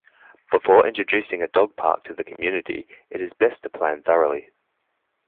Before introducing a dog park to the community, it is best to plan thoroughly.